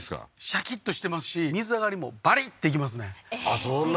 シャキッとしてますし水上がりもバリッていきますねえっ